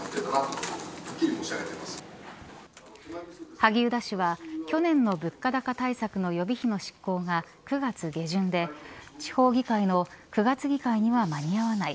萩生田氏は去年の物価高対策の予備費の執行が９月下旬で、地方議会の９月議会には間に合わない